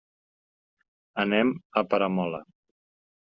Anem a Peramola.